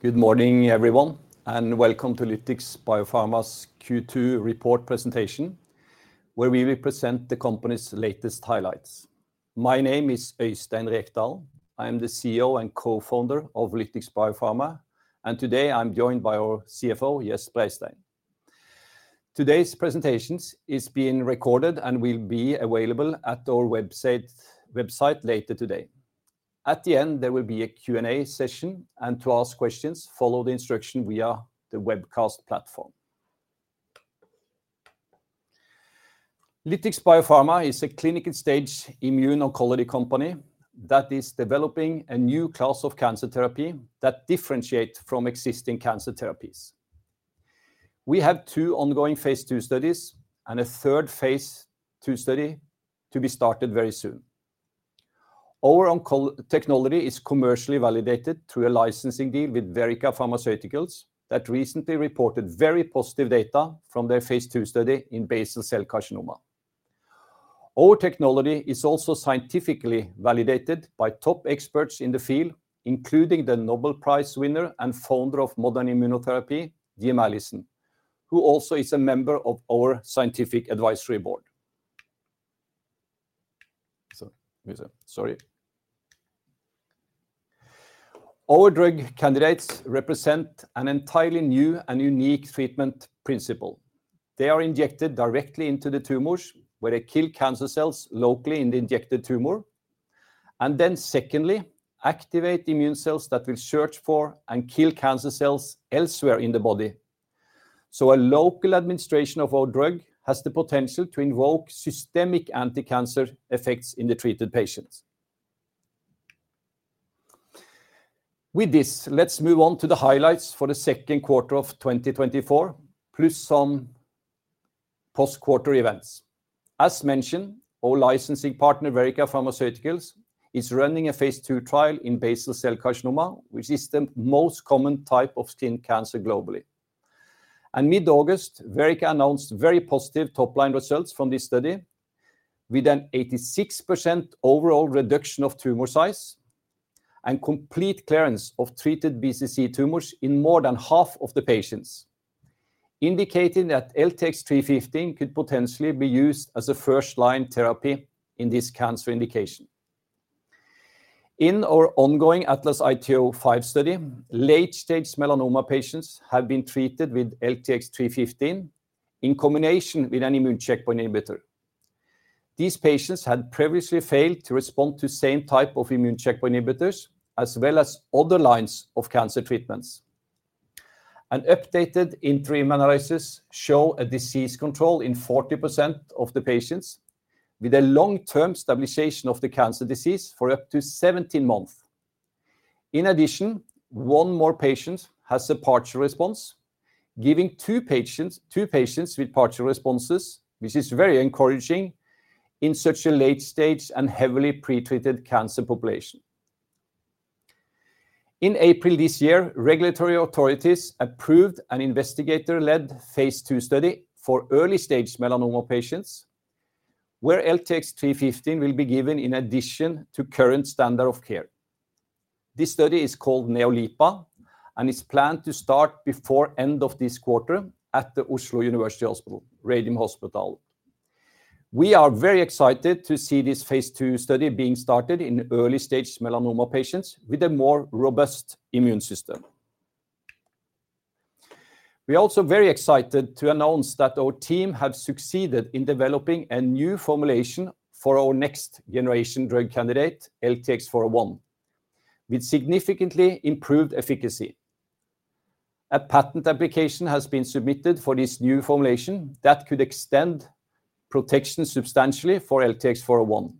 Good morning, everyone, and welcome to Lytix Biopharma's Q2 report presentation, where we will present the company's latest highlights. My name is Øystein Rekdal. I'm the CEO and co-founder of Lytix Biopharma, and today I'm joined by our CFO, Gjest Breistein. Today's presentation is being recorded and will be available at our website later today. At the end, there will be a Q&A session, and to ask questions, follow the instructions via the webcast platform. Lytix Biopharma is a clinical-stage immuno-oncology company that is developing a new class of cancer therapy that differentiate from existing cancer therapies. We have two ongoing phase 2 studies and a third phase 2 study to be started very soon. Our onco technology is commercially validated through a licensing deal with Verrica Pharmaceuticals that recently reported very positive data from their phase 2 study in basal cell carcinoma. Our technology is also scientifically validated by top experts in the field, including the Nobel Prize winner and founder of modern immunotherapy, Jim Allison, who also is a member of our Scientific Advisory Board. Our drug candidates represent an entirely new and unique treatment principle. They are injected directly into the tumors, where they kill cancer cells locally in the injected tumor, and then secondly, activate immune cells that will search for and kill cancer cells elsewhere in the body. A local administration of our drug has the potential to invoke systemic anticancer effects in the treated patients. With this, let's move on to the highlights for the second quarter of twenty twenty-four, plus some post-quarter events. As mentioned, our licensing partner, Verrica Pharmaceuticals, is running a phase 2 trial in basal cell carcinoma, which is the most common type of skin cancer globally. Mid-August, Verrica announced very positive top-line results from this study, with an 86% overall reduction of tumor size and complete clearance of treated BCC tumors in more than half of the patients, indicating that LTX-315 could potentially be used as a first-line therapy in this cancer indication. In our ongoing ATLAS-IT-05 study, late-stage melanoma patients have been treated with LTX-315 in combination with an immune checkpoint inhibitor. These patients had previously failed to respond to same type of immune checkpoint inhibitors, as well as other lines of cancer treatments. An updated interim analysis show a disease control in 40% of the patients, with a long-term stabilization of the cancer disease for up to 17 months. In addition, one more patient has a partial response, giving two patients, two patients with partial responses, which is very encouraging in such a late stage and heavily pretreated cancer population. In April this year, regulatory authorities approved an investigator-led phase 2 study for early-stage melanoma patients, where LTX-315 will be given in addition to current standard of care. This study is called NEOLIPA, and it's planned to start before end of this quarter at the Oslo University Hospital, The Radium Hospital. We are very excited to see this phase 2 study being started in early-stage melanoma patients with a more robust immune system. We are also very excited to announce that our team have succeeded in developing a new formulation for our next generation drug candidate, LTX-401, with significantly improved efficacy. A patent application has been submitted for this new formulation that could extend protection substantially for LTX-401,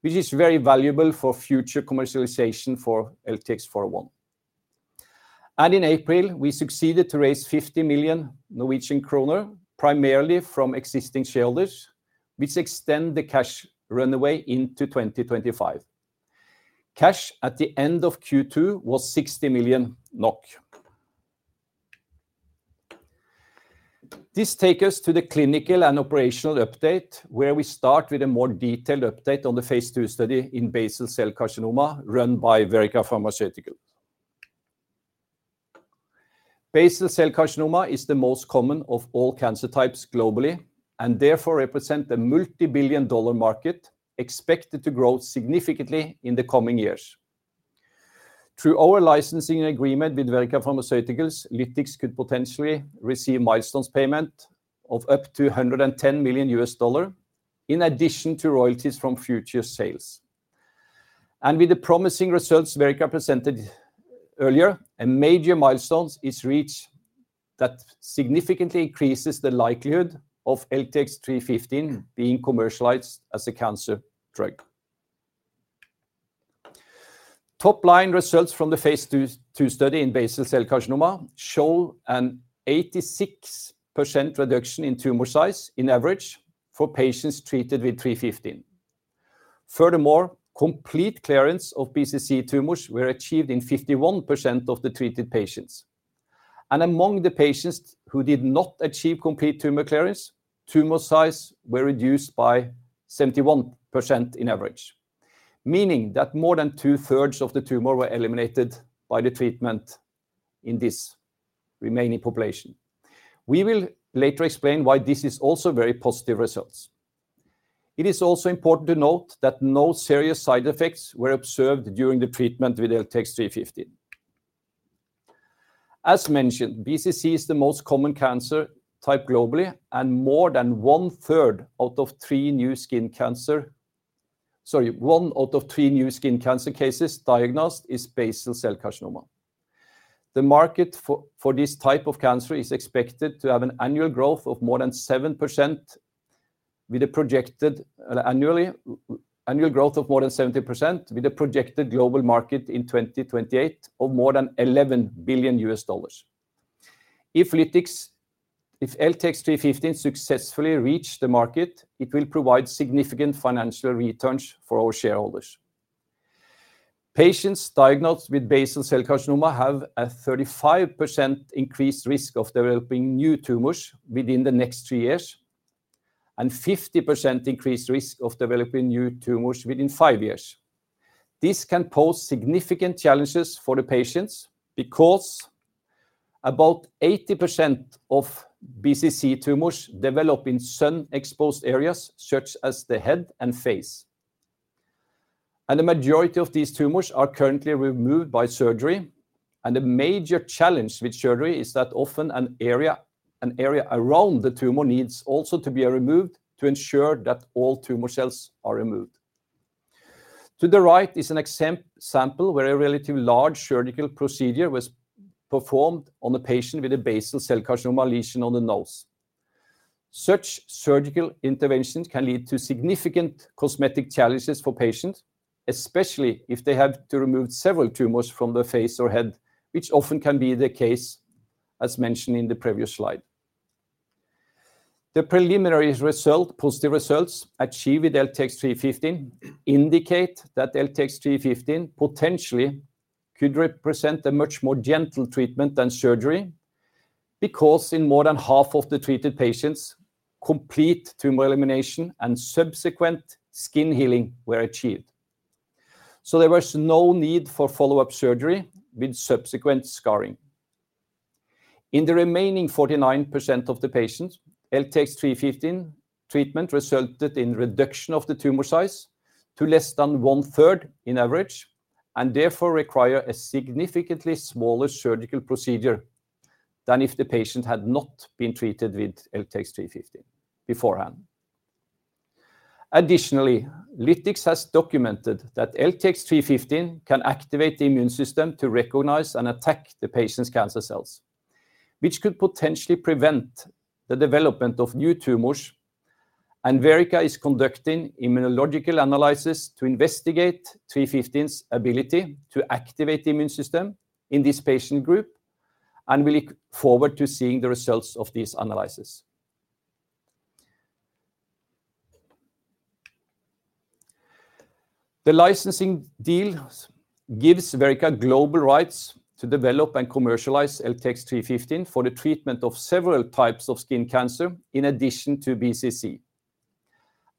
which is very valuable for future commercialization for LTX-401. In April, we succeeded to raise 50 million Norwegian kroner, primarily from existing shareholders, which extend the cash runway into 2025. Cash at the end of Q2 was 60 million NOK. This take us to the clinical and operational update, where we start with a more detailed update on the phase 2 study in basal cell carcinoma, run by Verrica Pharmaceuticals. Basal cell carcinoma is the most common of all cancer types globally, and therefore represent a multibillion-dollar market expected to grow significantly in the coming years. Through our licensing agreement with Verrica Pharmaceuticals, Lytix could potentially receive milestones payment of up to $110 million, in addition to royalties from future sales. With the promising results Verrica presented earlier, a major milestone is reached that significantly increases the likelihood of LTX-315 being commercialized as a cancer drug. Top-line results from the phase 2 study in basal cell carcinoma show an 86% reduction in tumor size in average for patients treated with LTX-315. Furthermore, complete clearance of BCC tumors were achieved in 51% of the treated patients. Among the patients who did not achieve complete tumor clearance, tumor size were reduced by 71% in average, meaning that more than two-thirds of the tumor were eliminated by the treatment in this remaining population. We will later explain why this is also very positive results. It is also important to note that no serious side effects were observed during the treatment with LTX-315. As mentioned, BCC is the most common cancer type globally, and one out of three new skin cancer cases diagnosed is basal cell carcinoma. The market for this type of cancer is expected to have an annual growth of more than 7%, with a projected annual growth of more than 70%, with a projected global market in 2028 of more than $11 billion. If Lytix, if LTX-315 successfully reach the market, it will provide significant financial returns for our shareholders. Patients diagnosed with basal cell carcinoma have a 35% increased risk of developing new tumors within the next three years, and 50% increased risk of developing new tumors within five years. This can pose significant challenges for the patients, because about 80% of BCC tumors develop in sun-exposed areas, such as the head and face. The majority of these tumors are currently removed by surgery, and a major challenge with surgery is that often an area around the tumor needs also to be removed to ensure that all tumor cells are removed. To the right is an example where a relatively large surgical procedure was performed on a patient with a basal cell carcinoma lesion on the nose. Such surgical interventions can lead to significant cosmetic challenges for patients, especially if they have to remove several tumors from the face or head, which often can be the case, as mentioned in the previous slide. The preliminary result, positive results achieved with LTX-315 indicate that LTX-315 potentially could represent a much more gentle treatment than surgery, because in more than half of the treated patients, complete tumor elimination and subsequent skin healing were achieved. So there was no need for follow-up surgery with subsequent scarring. In the remaining 49% of the patients, LTX-315 treatment resulted in reduction of the tumor size to less than one-third in average, and therefore require a significantly smaller surgical procedure than if the patient had not been treated with LTX-315 beforehand. Additionally, Lytix has documented that LTX-315 can activate the immune system to recognize and attack the patient's cancer cells, which could potentially prevent the development of new tumors, and Verrica is conducting immunological analysis to investigate LTX-315's ability to activate the immune system in this patient group, and we look forward to seeing the results of these analyses. The licensing deal gives Verrica global rights to develop and commercialize LTX-315 for the treatment of several types of skin cancer, in addition to BCC.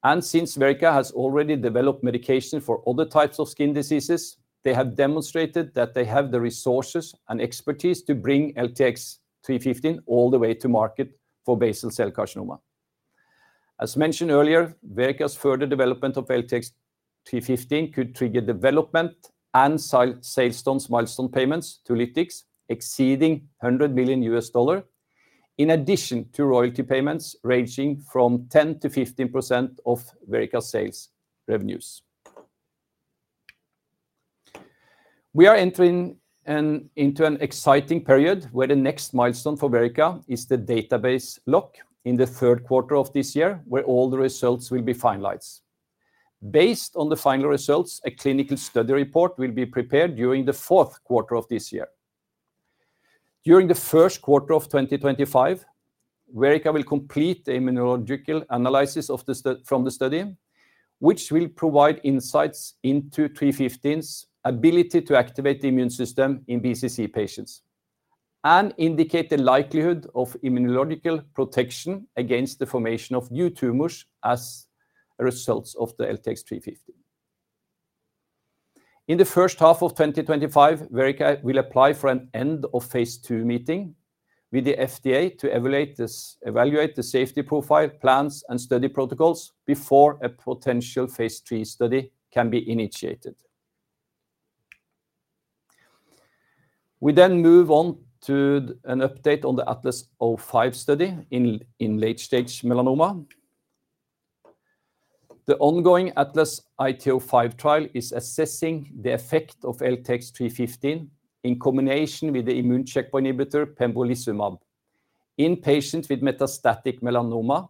And since Verrica has already developed medication for other types of skin diseases, they have demonstrated that they have the resources and expertise to bring LTX-315 all the way to market for basal cell carcinoma. As mentioned earlier, Verrica's further development of LTX-315 could trigger development and sales milestone payments to Lytix, exceeding $100 million, in addition to royalty payments ranging from 10%-15% of Verrica sales revenues. We are entering into an exciting period where the next milestone for Verrica is the database lock in the third quarter of this year, where all the results will be finalized. Based on the final results, a clinical study report will be prepared during the fourth quarter of this year. During the first quarter of 2025, Verrica will complete immunological analysis from the study, which will provide insights into LTX-315's ability to activate the immune system in BCC patients and indicate the likelihood of immunological protection against the formation of new tumors as a result of the LTX-315. In the first half of 2025, Verrica will apply for an end of phase 2 meeting with the FDA to evaluate the safety profile, plans, and study protocols before a potential phase 3 study can be initiated. We then move on to an update on the ATLAS-IT-05 study in late-stage melanoma. The ongoing ATLAS-IT-05 trial is assessing the effect of LTX-315 in combination with the immune checkpoint inhibitor pembrolizumab in patients with metastatic melanoma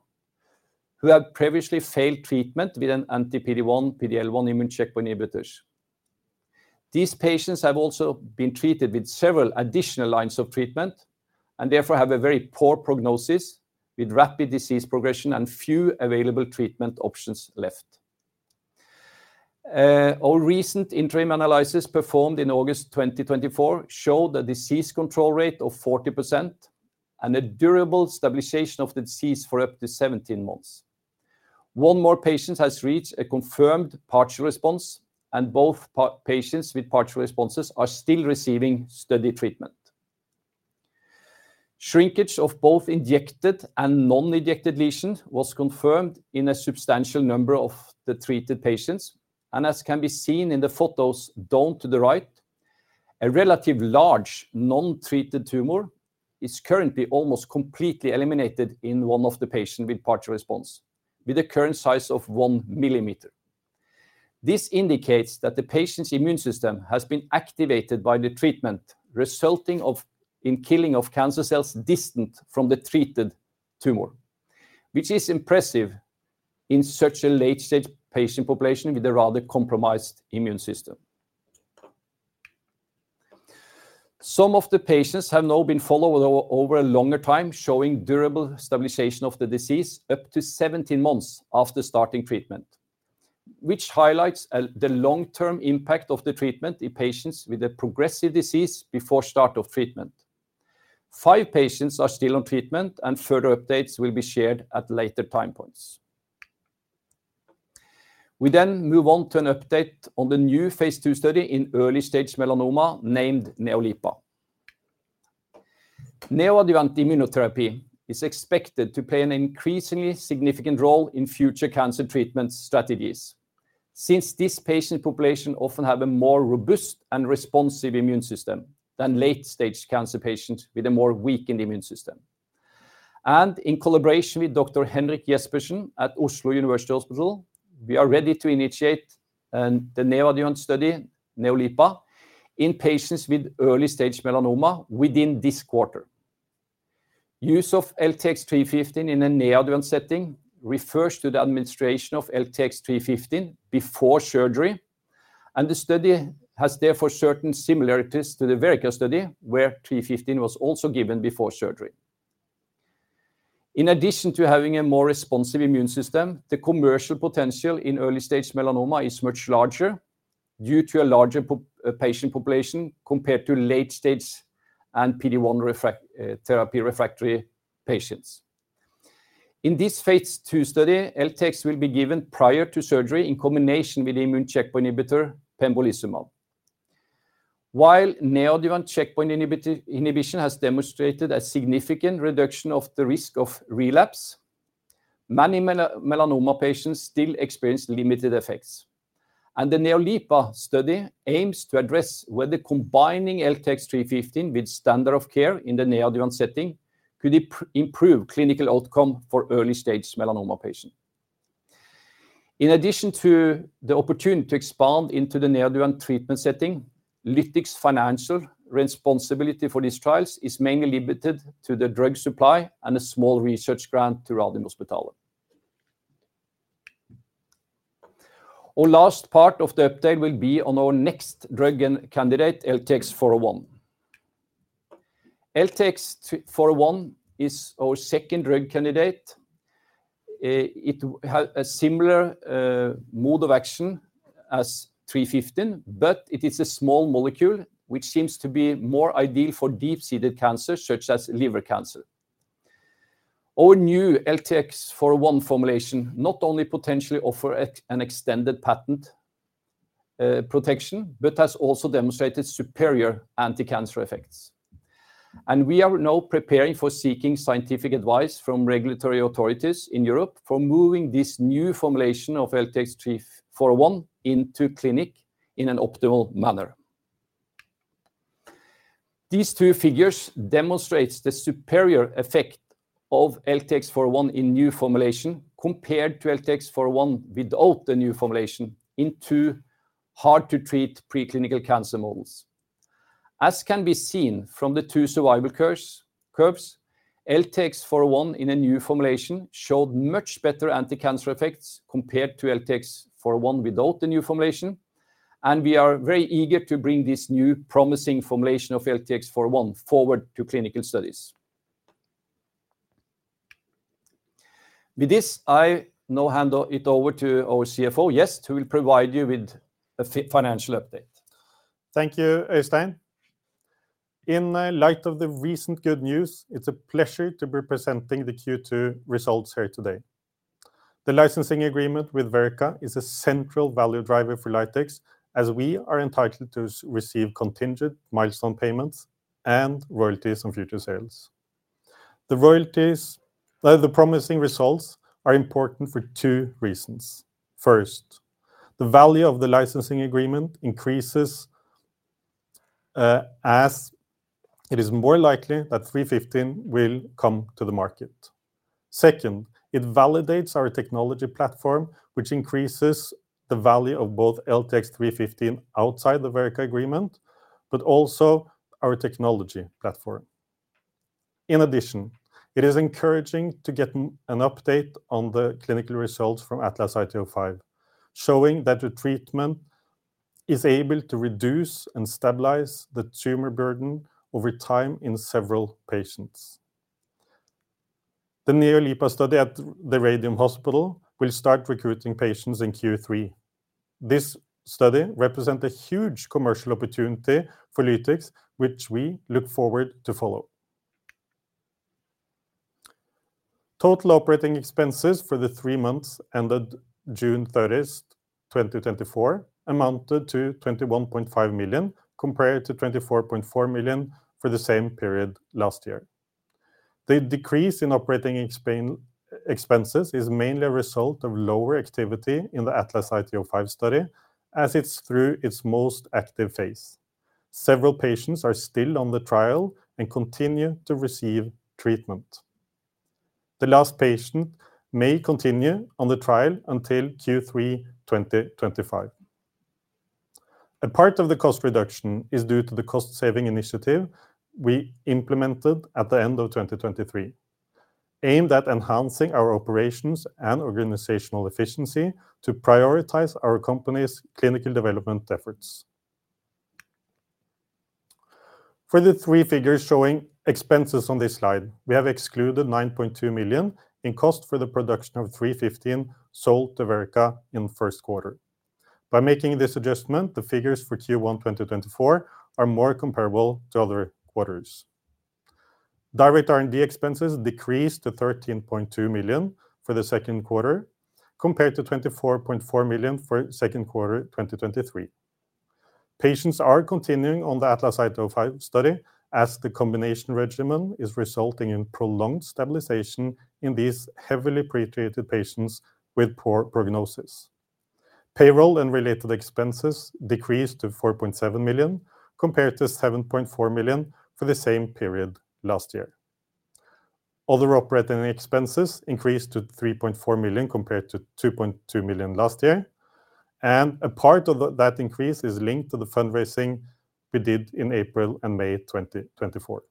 who have previously failed treatment with an anti-PD-1, PD-L1 immune checkpoint inhibitors. These patients have also been treated with several additional lines of treatment and therefore have a very poor prognosis, with rapid disease progression and few available treatment options left. Our recent interim analysis performed in August 2024 showed a disease control rate of 40%, and a durable stabilization of the disease for up to 17 months. One more patient has reached a confirmed partial response, and both patients with partial responses are still receiving study treatment. Shrinkage of both injected and non-injected lesions was confirmed in a substantial number of the treated patients, and as can be seen in the photos down to the right, a relatively large, non-treated tumor is currently almost completely eliminated in one of the patients with partial response, with a current size of one millimeter. This indicates that the patient's immune system has been activated by the treatment, resulting in killing of cancer cells distant from the treated tumor, which is impressive in such a late stage patient population with a rather compromised immune system. Some of the patients have now been followed over a longer time, showing durable stabilization of the disease up to seventeen months after starting treatment, which highlights the long-term impact of the treatment in patients with a progressive disease before start of treatment. Five patients are still on treatment, and further updates will be shared at later time points. We then move on to an update on the new phase two study in early stage melanoma, named NEOLIPA. Neoadjuvant immunotherapy is expected to play an increasingly significant role in future cancer treatment strategies. Since this patient population often have a more robust and responsive immune system than late stage cancer patients with a more weakened immune system, and in collaboration with Dr. Henrik Jespersen at Oslo University Hospital, we are ready to initiate the neoadjuvant study, NEOLIPA, in patients with early stage melanoma within this quarter. Use of LTX-315 in a neoadjuvant setting refers to the administration of LTX-315 before surgery, and the study has therefore certain similarities to the Verrica study, where LTX-315 was also given before surgery. In addition to having a more responsive immune system, the commercial potential in early stage melanoma is much larger, due to a larger patient population compared to late stage and PD-1 therapy refractory patients. In this phase two study, LTX will be given prior to surgery in combination with immune checkpoint inhibitor pembrolizumab. While neoadjuvant checkpoint inhibition has demonstrated a significant reduction of the risk of relapse, many melanoma patients still experience limited effects. The NEOLIPA study aims to address whether combining LTX-315 with standard of care in the neoadjuvant setting could improve clinical outcome for early stage melanoma patients. In addition to the opportunity to expand into the neoadjuvant treatment setting, Lytix financial responsibility for these trials is mainly limited to the drug supply and a small research grant to Radiumhospitalet. Our last part of the update will be on our next drug candidate, LTX-401. LTX-401 is our second drug candidate. It has a similar mode of action as LTX-315, but it is a small molecule, which seems to be more ideal for deep-seated cancer, such as liver cancer. Our new LTX-401 formulation not only potentially offer a an extended patent protection, but has also demonstrated superior anti-cancer effects. And we are now preparing for seeking scientific advice from regulatory authorities in Europe for moving this new formulation of LTX-401 into clinic in an optimal manner. These two figures demonstrate the superior effect of LTX-401 in new formulation, compared to LTX-401 without the new formulation, in two hard-to-treat preclinical cancer models. As can be seen from the two survival curves, LTX-401 in a new formulation showed much better anti-cancer effects compared to LTX-401 without the new formulation, and we are very eager to bring this new promising formulation of LTX-401 forward to clinical studies. With this, I now hand it over to our CFO, Gjest, who will provide you with a financial update. Thank you, Øystein. In light of the recent good news, it's a pleasure to be presenting the Q2 results here today. The licensing agreement with Verrica is a central value driver for Lytix, as we are entitled to receive contingent milestone payments and royalties on future sales. The royalties, the promising results are important for two reasons. First, the value of the licensing agreement increases, as it is more likely that LTX-315 will come to the market. Second, it validates our technology platform, which increases the value of both LTX-315 outside the Verrica agreement, but also our technology platform. In addition, it is encouraging to get an update on the clinical results from ATLAS-IT-05, showing that the treatment is able to reduce and stabilize the tumor burden over time in several patients. The NEOLIPA study at The Radium Hospital will start recruiting patients in Q3. This study represent a huge commercial opportunity for Lytix, which we look forward to follow. Total operating expenses for the three months ended June 30, 2024, amounted to 21.5 million, compared to 24.4 million for the same period last year. The decrease in operating expenses is mainly a result of lower activity in the ATLAS-IT-05 study, as it's through its most active phase. Several patients are still on the trial and continue to receive treatment. The last patient may continue on the trial until Q3 2025. A part of the cost reduction is due to the cost-saving initiative we implemented at the end of 2023, aimed at enhancing our operations and organizational efficiency to prioritize our company's clinical development efforts. For the three figures showing expenses on this slide, we have excluded 9.2 million in cost for the production of LTX-315 sold to Verrica in the first quarter. By making this adjustment, the figures for Q1 2024 are more comparable to other quarters. Direct R&D expenses decreased to 13.2 million for the second quarter, compared to 24.4 million for second quarter 2023. Patients are continuing on the ATLAS-IT-05 study, as the combination regimen is resulting in prolonged stabilization in these heavily pre-treated patients with poor prognosis. Payroll and related expenses decreased to 4.7 million, compared to 7.4 million for the same period last year. Other operating expenses increased to 3.4 million, compared to 2.2 million last year, and a part of that increase is linked to the fundraising we did in April and May 2024.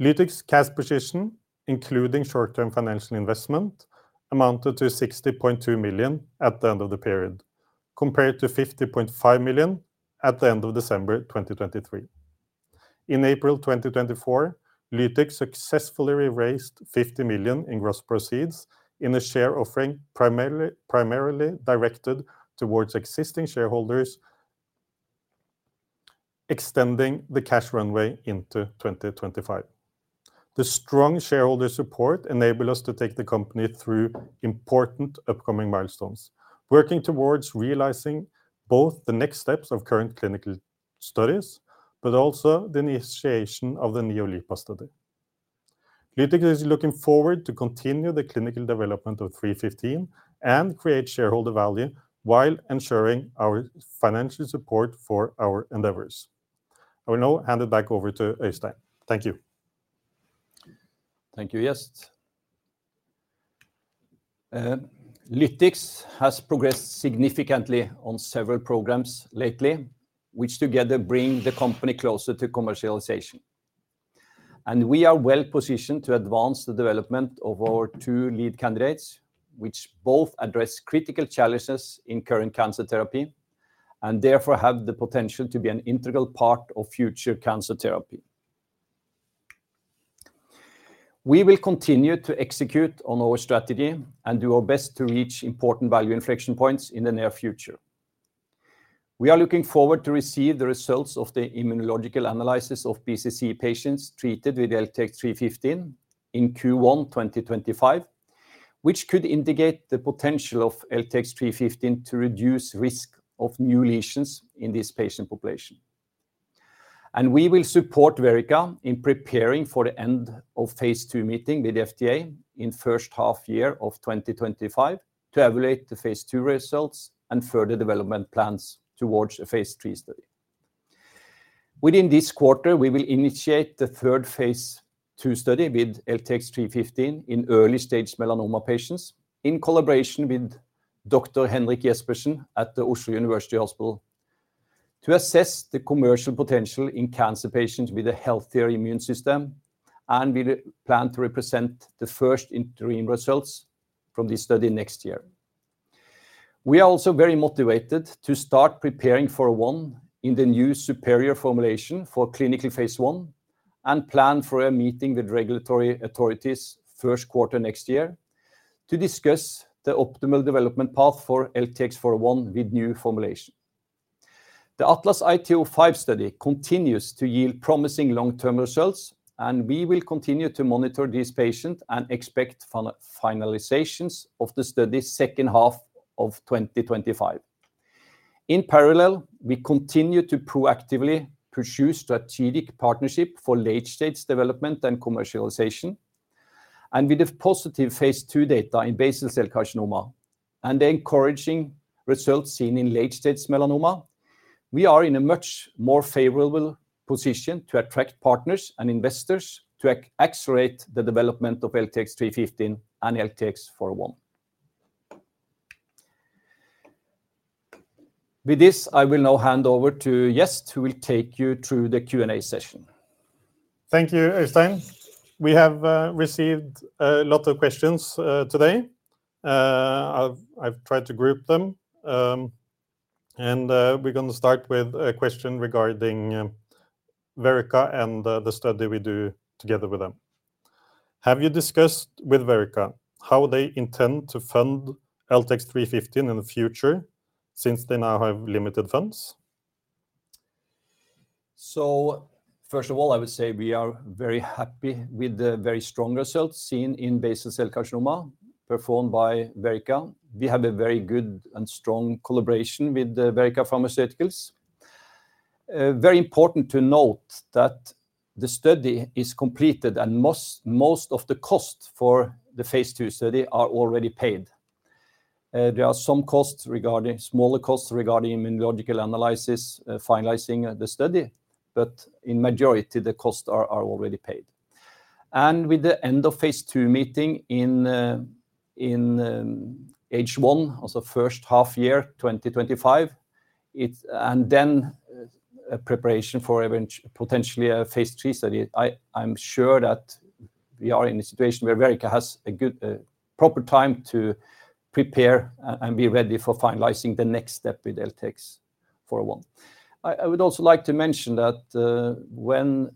Lytix cash position, including short-term financial investment, amounted to 60.2 million at the end of the period, compared to 50.5 million at the end of December 2023. In April 2024, Lytix successfully raised 50 million in gross proceeds in a share offering primarily directed towards existing shareholders, extending the cash runway into 2025. The strong shareholder support enabled us to take the company through important upcoming milestones, working towards realizing both the next steps of current clinical studies, but also the initiation of the NEOLIPA study. Lytix is looking forward to continue the clinical development of 315 and create shareholder value, while ensuring our financial support for our endeavors. I will now hand it back over to Øystein. Thank you. Thank you, Gjest. Lytix has progressed significantly on several programs lately, which together bring the company closer to commercialization, and we are well-positioned to advance the development of our two lead candidates, which both address critical challenges in current cancer therapy, and therefore have the potential to be an integral part of future cancer therapy. We will continue to execute on our strategy and do our best to reach important value inflection points in the near future. We are looking forward to receive the results of the immunological analysis of BCC patients treated with LTX-315 in Q1 twenty twenty-five, which could indicate the potential of LTX-315 to reduce risk of new lesions in this patient population. We will support Verrica in preparing for the end of phase 2 meeting with FDA in first half of 2025, to evaluate the phase 2 results and further development plans towards a phase 3 study. Within this quarter, we will initiate the third phase 2 study with LTX-315 in early-stage melanoma patients, in collaboration with Dr. Henrik Jespersen at the Oslo University Hospital, to assess the commercial potential in cancer patients with a healthier immune system, and we plan to present the first interim results from this study next year. We are also very motivated to start preparing for LTX-401 in the new superior formulation for clinical phase 1, and plan for a meeting with regulatory authorities first quarter next year, to discuss the optimal development path for LTX-401 with new formulation. The ATLAS-IT-05 study continues to yield promising long-term results, and we will continue to monitor this patient and expect finalizations of the study second half of twenty twenty-five. In parallel, we continue to proactively pursue strategic partnership for late-stage development and commercialization, and with the positive phase two data in basal cell carcinoma and the encouraging results seen in late-stage melanoma, we are in a much more favorable position to attract partners and investors to accelerate the development of LTX-315 and LTX-401. With this, I will now hand over to Gjest, who will take you through the Q&A session. Thank you, Øystein. We have received a lot of questions today. I've tried to group them. We're gonna start with a question regarding Verrica and the study we do together with them. Have you discussed with Verrica how they intend to fund LTX-315 in the future, since they now have limited funds? So first of all, I would say we are very happy with the very strong results seen in basal cell carcinoma performed by Verrica. We have a very good and strong collaboration with Verrica Pharmaceuticals. Very important to note that the study is completed, and most of the costs for the phase two study are already paid. There are some smaller costs regarding immunological analysis, finalizing the study, but in majority, the costs are already paid. And with the end of phase two meeting in H1, or so first half year, 2025, it's... And then, preparation for potentially a phase three study, I'm sure that we are in a situation where Verrica has a good proper time to prepare and be ready for finalizing the next step with LTX-401. I would also like to mention that, when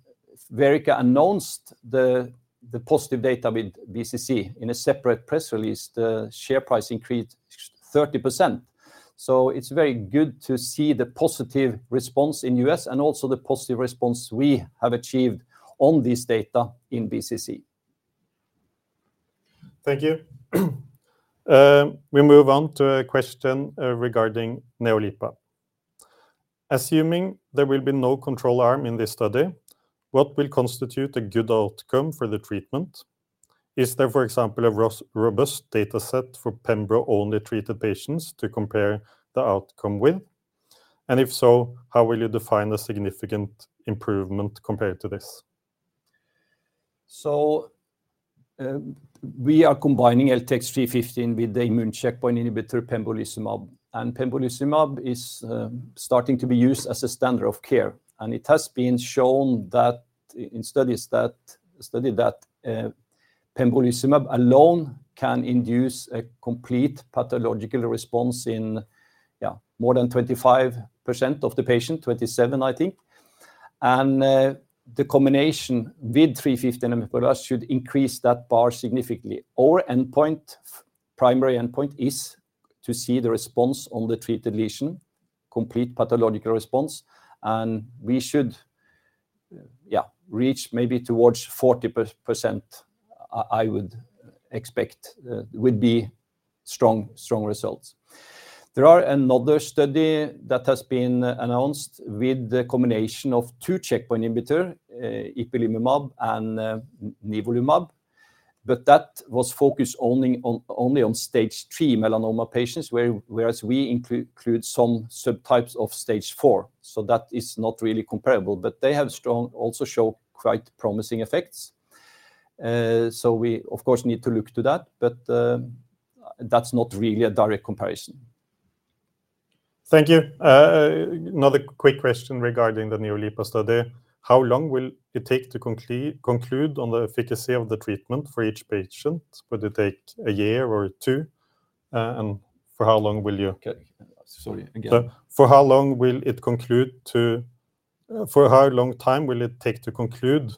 Verrica announced the positive data with BCC in a separate press release, the share price increased 30%. So it's very good to see the positive response in U.S. and also the positive response we have achieved on this data in BCC. Thank you. We move on to a question regarding NEOLIPA. Assuming there will be no control arm in this study, what will constitute a good outcome for the treatment? Is there, for example, a robust data set for pembro-only treated patients to compare the outcome with? And if so, how will you define a significant improvement compared to this? We are combining LTX-315 with the immune checkpoint inhibitor pembrolizumab. Pembrolizumab is starting to be used as a standard of care, and it has been shown in studies that pembrolizumab alone can induce a complete pathological response in more than 25% of the patients, 27%, I think. The combination with LTX-315 should increase that bar significantly. Our primary endpoint is to see the response on the treated lesion, complete pathological response, and we should reach maybe towards 40%. I would expect would be strong results. There are another study that has been announced with the combination of two checkpoint inhibitor, Ipilimumab and, Nivolumab, but that was focused only on stage three melanoma patients, whereas we include some subtypes of stage four, so that is not really comparable. But they have strong. Also show quite promising effects. So we, of course, need to look to that, but, that's not really a direct comparison. Thank you. Another quick question regarding the NEOLIPA study. How long will it take to conclude on the efficacy of the treatment for each patient? Would it take a year or two? And for how long will you- Okay. Sorry, again. For how long time will it take to conclude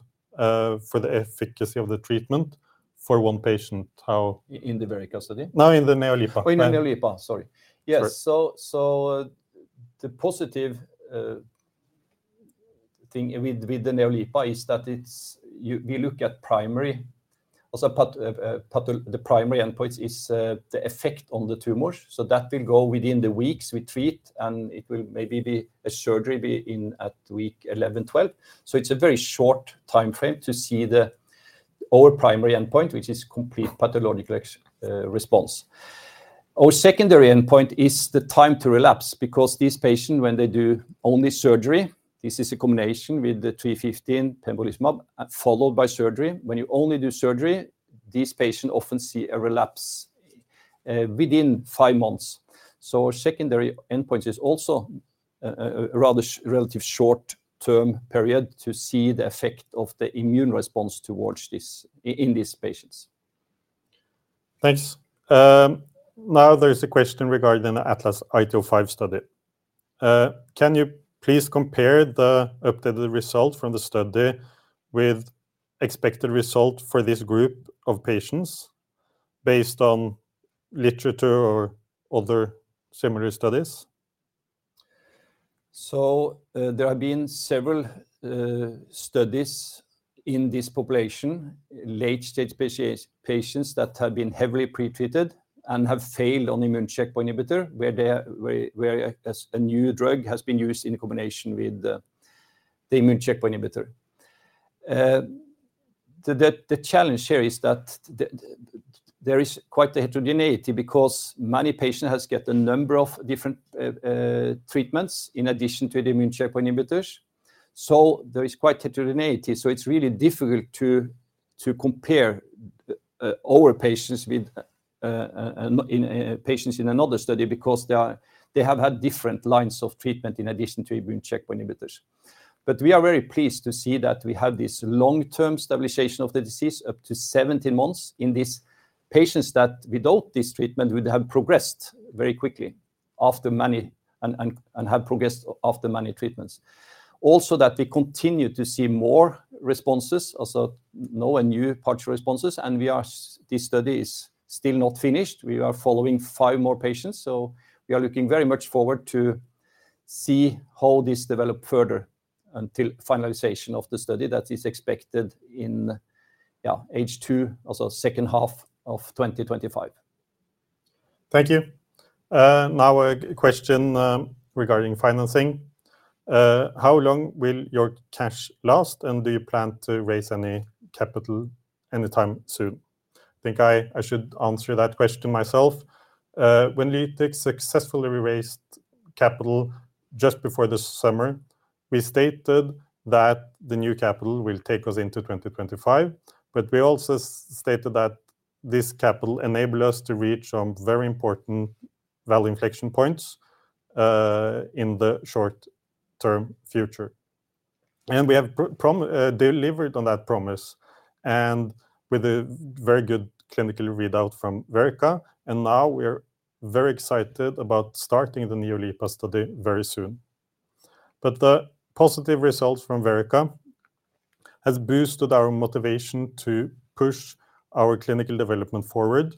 for the efficacy of the treatment for one patient? How- In the Verrica study? No, in the NEOLIPA. Oh, in the NEOLIPA, sorry. Sure. Yes. So, the positive thing with the NEOLIPA is that it's we look at the primary endpoints is the effect on the tumors. So that will go within the weeks we treat, and it will maybe be a surgery in at week 11-12. So it's a very short timeframe to see our primary endpoint, which is complete pathological response. Our secondary endpoint is the time to relapse, because these patients, when they do only surgery, this is a combination with the 315 pembrolizumab, followed by surgery. When you only do surgery, these patients often see a relapse within five months. So our secondary endpoint is also a rather relatively short-term period to see the effect of the immune response towards this in these patients. Thanks. Now there's a question regarding the ATLAS-IT-05 study. Can you please compare the updated result from the study with expected result for this group of patients based on literature or other similar studies? So, there have been several studies in this population, late-stage patients that have been heavily pretreated and have failed on immune checkpoint inhibitor, where a new drug has been used in combination with the immune checkpoint inhibitor. The challenge here is that there is quite a heterogeneity because many patient has got a number of different treatments in addition to the immune checkpoint inhibitors. So there is quite heterogeneity, so it's really difficult to compare our patients with patients in another study because they have had different lines of treatment in addition to immune checkpoint inhibitors. But we are very pleased to see that we have this long-term stabilization of the disease, up to 17 months, in these patients that, without this treatment, would have progressed very quickly... after many and have progressed after many treatments. Also, that we continue to see more responses, also now a new partial responses, and this study is still not finished. We are following five more patients, so we are looking very much forward to see how this develop further until finalization of the study that is expected in H2, also second half of 2025. Thank you. Now a question regarding financing. How long will your cash last, and do you plan to raise any capital anytime soon? I think I should answer that question myself. When Lytix successfully raised capital just before this summer, we stated that the new capital will take us into 2025, but we also stated that this capital enable us to reach some very important value inflection points in the short-term future. And we have delivered on that promise, and with a very good clinical readout from Verrica, and now we're very excited about starting the NEOLIPA study very soon. But the positive results from Verrica has boosted our motivation to push our clinical development forward,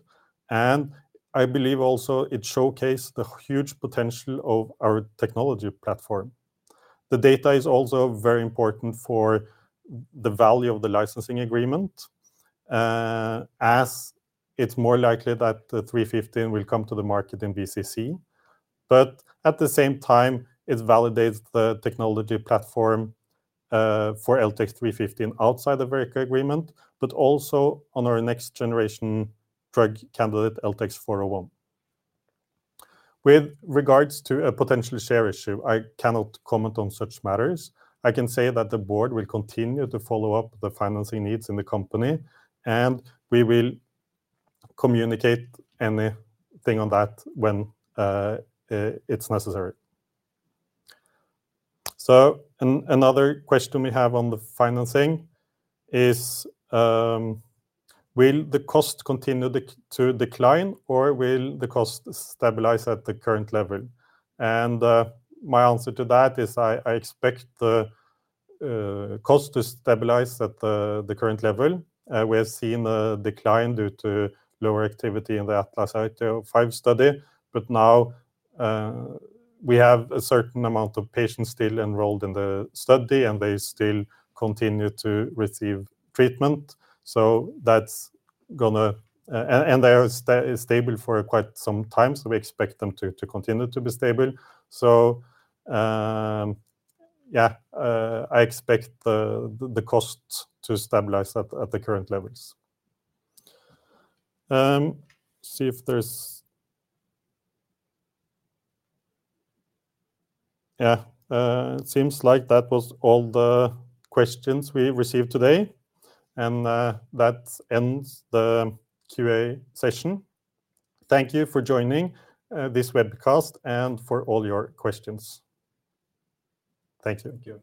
and I believe also it showcased the huge potential of our technology platform. The data is also very important for the value of the licensing agreement, as it's more likely that the 315 will come to the market in BCC, but at the same time, it validates the technology platform for LTX-315 outside the Verrica agreement, but also on our next generation drug candidate, LTX-401. With regards to a potential share issue, I cannot comment on such matters. I can say that the board will continue to follow up the financing needs in the company, and we will communicate anything on that when it's necessary. So another question we have on the financing is, will the cost continue to decline, or will the cost stabilize at the current level? And my answer to that is I, I expect the cost to stabilize at the current level. We have seen a decline due to lower activity in the ATLAS-IT-05 study, but now we have a certain amount of patients still enrolled in the study, and they still continue to receive treatment. So that's gonna and they are stable for quite some time, so we expect them to continue to be stable. So I expect the costs to stabilize at the current levels. It seems like that was all the questions we received today, and that ends the QA session. Thank you for joining this webcast and for all your questions. Thank you. Thank you.